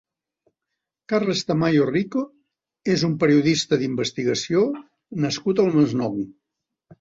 Carles Tamayo Rico és un periodista d'investigació nascut al Masnou.